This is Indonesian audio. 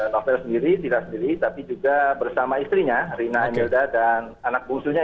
novel sendiri tidak sendiri tapi juga bersama istrinya rina enjeda dan anaknya